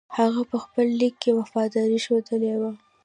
هغه په خپل لیک کې وفاداري ښودلې وه.